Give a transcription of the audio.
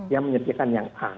yang menyediakan yang a